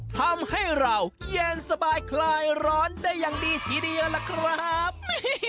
ทำให้เราเย็นสบายคลายร้อนได้อย่างดีทีเดียวล่ะครับ